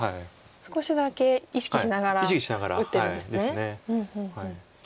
少しだけ意識しながら打ってるんですね。